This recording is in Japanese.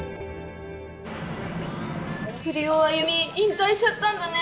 栗尾あゆみ引退しちゃったんだね！